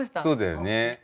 そうだよね。